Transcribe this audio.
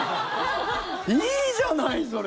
いいじゃない、それ。